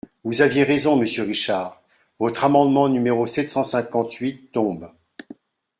Vous aviez raison, monsieur Richard : votre amendement numéro sept cent cinquante-huit tombe.